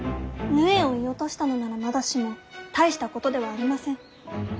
鵺を射落としたのならまだしも大したことではありません。